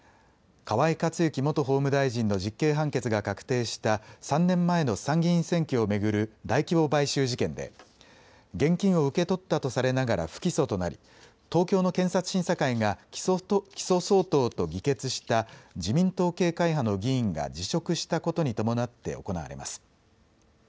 河井克行元法務大臣の実刑判決が確定した３年前の参議院選挙を巡る大規模買収事件で現金を受け取ったとされながら不起訴となり東京の検察審査会が起訴相当と議決した自民党系会派の議員が辞職したことに伴って行われます。